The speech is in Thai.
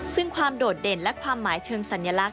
ซึ่งความโดดเด่นและความหมายเชิงสัญลักษณ